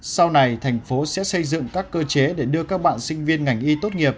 sau này thành phố sẽ xây dựng các cơ chế để đưa các bạn sinh viên ngành y tốt nghiệp